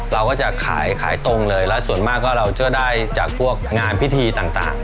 เราก็จะขายขายตรงเลยแล้วส่วนมากก็เราจะได้จากพวกงานพิธีต่าง